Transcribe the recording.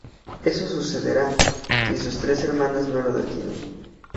Eso sucederá, si sus tres hermanas no lo detienen.